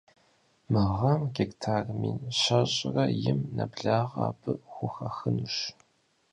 Мы гъэм гектар мин щэщӏрэ им нэблагъэ абы хухахынущ.